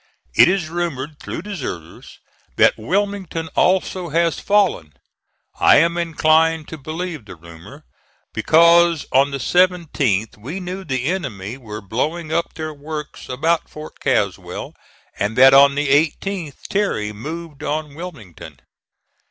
It is rumored, through deserters, that Wilmington also has fallen. I am inclined to believe the rumor, because on the 17th we knew the enemy were blowing up their works about Fort Caswell, and that on the 18th Terry moved on Wilmington.